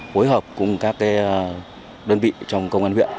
phối hợp cùng các đơn vị trong công an huyện